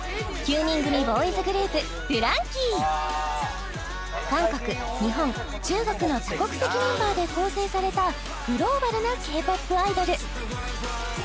９人組ボーイズグループＢＬＡＮＫ２Ｙ韓国・日本・中国の多国籍メンバーで構成されたグローバルなＫ−ＰＯＰアイドル